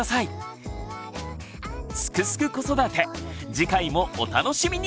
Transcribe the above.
次回もお楽しみに！